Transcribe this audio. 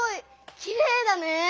きれいだね。